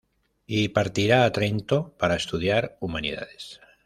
Y partirá a Trento para estudiar Humanidades.